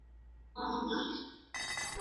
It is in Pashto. رسول اکرم صلی الله عليه وسلم ته وويل.